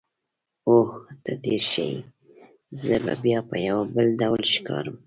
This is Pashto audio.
اوه، ته ډېر ښه یې، زه به بیا په یوه بېل ډول ښکارم.